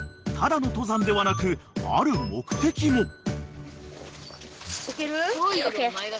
［ただの登山ではなくある目的も］